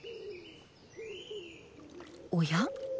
おや？